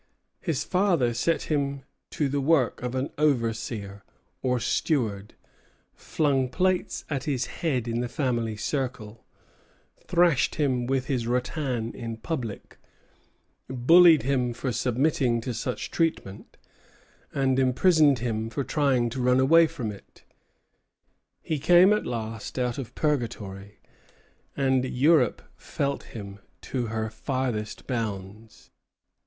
His father set him to the work of an overseer, or steward, flung plates at his head in the family circle, thrashed him with his rattan in public, bullied him for submitting to such treatment, and imprisoned him for trying to run away from it. He came at last out of purgatory; and Europe felt him to her farthest bounds.